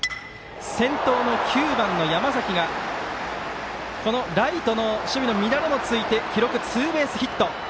先頭の９番、山崎がライトの守備の乱れをついて記録、ツーベースヒット。